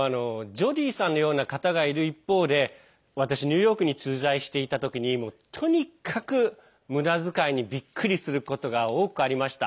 ジョディーさんのような方がいる一方で私、ニューヨークに駐在していた時にとにかくむだづかいにびっくりすることもありました。